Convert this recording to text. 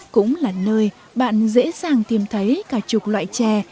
cũng là nơi bạn dễ dàng tìm thấy cả chục loại chè